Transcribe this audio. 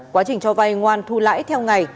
quá trình cho vay ngoan thu lãi theo ngày